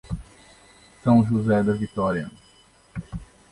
São José da Vitória